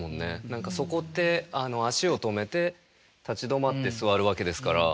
何かそこで足を止めて立ち止まって座るわけですから。